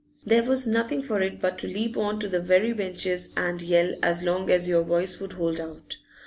There was nothing for it but to leap on to the very benches and yell as long as your voice would hold out.